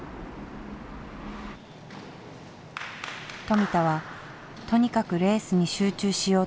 富田はとにかくレースに集中しようとしていた。